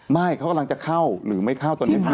ไม่เขากำลังจะเข้าหรือไม่เข้าตอนนี้